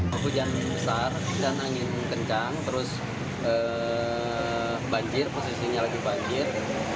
hujan besar dan angin kencang terus banjir posisinya lagi banjir